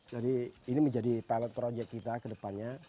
jadi ini menjadi pilot project kita ke depannya